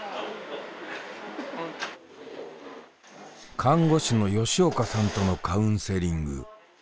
看護師の吉岡さんとのカウンセリング。